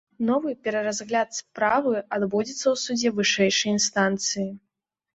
Новы пераразгляд справы адбудзецца ў судзе вышэйшай інстанцыі.